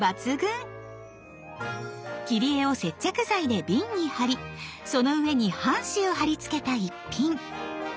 切り絵を接着剤で瓶に貼りその上に半紙を貼り付けた逸品。